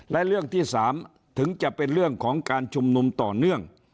และเรื่องที่๓ถึงจะเป็นเรื่องของการชุมนุมต่อเนื่อง